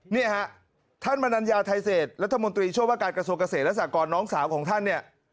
เนี่ยฮะท่านมนัญญาไทยเศษรัฐมนตรีช่วยว่าการกระทรวงเกษตรและสากรน้องสาวของท่านเนี่ย